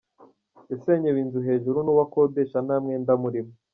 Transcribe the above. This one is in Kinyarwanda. Yasenyewe inzu hejuru n’uwo akodesha nta mwenda amurimo